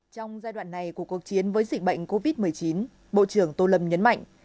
trong giai đoạn này của cuộc chiến với dịch bệnh covid một mươi chín bộ trưởng tô lâm nhấn mạnh